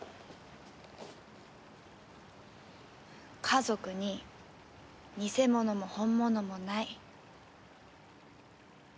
家族に偽物も本物もない。